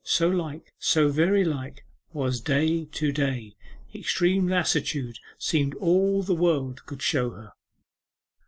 'So like, so very like, was day to day.' Extreme lassitude seemed all that the world could show her.